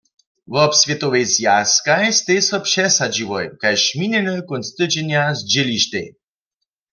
Wobswětowej zwjazkaj stej so přesadźiłoj, kaž minjeny kónc tydźenja zdźělištej.